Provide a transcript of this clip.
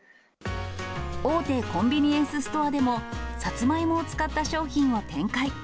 大手コンビニエンスストアでも、サツマイモを使った商品を展開。